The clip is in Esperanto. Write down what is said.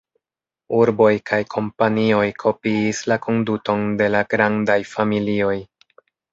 Urboj kaj kompanioj kopiis la konduton de la grandaj familioj.